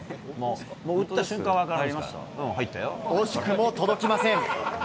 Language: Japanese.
惜しくも届きません。